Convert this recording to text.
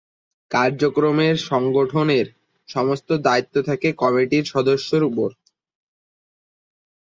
কার্যক্রমের সংগঠনের সমস্ত দায়িত্ব থাকে কমিটির সদস্যদের ওপর।